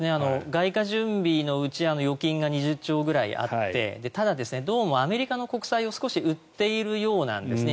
外貨準備のうち預金が２０兆ぐらいあってただ、どうもアメリカの国債を少し売っているようなんですね。